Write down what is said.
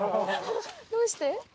どうして？